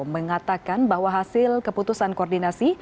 mengatakan bahwa hasil keputusan koordinasi